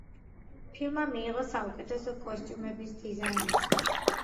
ფილმმა მიიღო საუკეთესო კოსტუმების დიზაინისთვის.